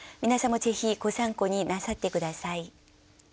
皆さんもぜひご参考になさって下さい。